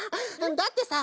だってさ